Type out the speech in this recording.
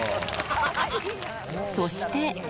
そして。